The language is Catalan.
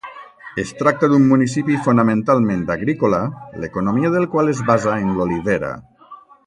Es tracta d'un municipi fonamentalment agrícola l'economia del qual es basa en l'olivera.